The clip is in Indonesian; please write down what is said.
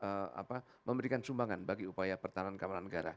dan bagaimana tata cara untuk bisa memberikan sumbangan bagi upaya pertahanan keamanan negara